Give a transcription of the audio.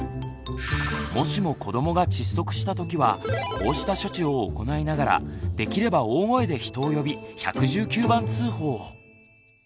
もしも子どもが窒息した時はこうした処置を行いながらできれば大声で人を呼び１１９番通報を！